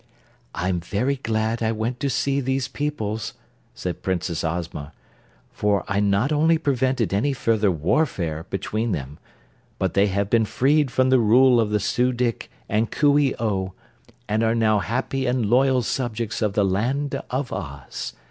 "I'm very glad I went to see these peoples," said Princess Ozma, "for I not only prevented any further warfare between them, but they have been freed from the rule of the Su dic and Coo ee oh and are now happy and loyal subjects of the Land of Oz.